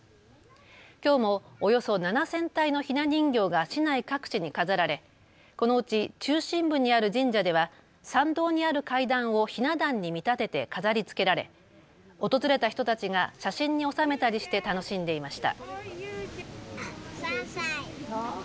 きょうもおよそ７０００体のひな人形が市内各地に飾られこのうち中心部にある神社では参道にある階段をひな壇に見立てて飾りつけられ訪れた人たちが写真に収めたりして楽しんでいました。